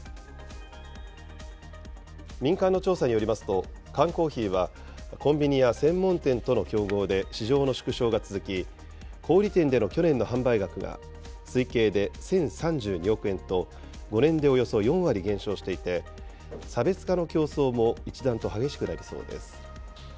民間の調査によりますと、缶コーヒーは、コンビニや専門店との競合で市場の縮小が続き、小売り店での去年の販売額が推計で１０３２億円と、５年でおよそ４割減少していて、差別化の競争も一段と激しくなりそうです。